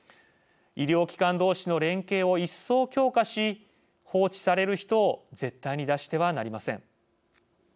医療機関どうしの連携を一層強化し、放置される人を絶対に出してはなりません。